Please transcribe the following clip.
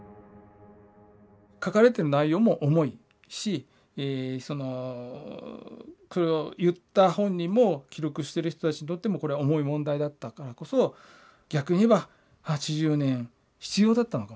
書かれてる内容も重いしこれを言った本人も記録してる人たちにとってもこれは重い問題だったからこそ逆に言えば８０年必要だったのかもしれないですね。